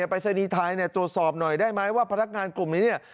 ปริศนีย์ไทยตรวจสอบหน่อยได้ไหมว่าพนักงานกลุ่มนี้เนี่ย